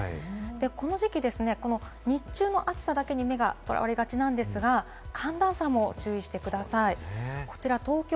この時期、日中の暑さだけに目がとらわれがちなんですが、寒暖差も注意してください。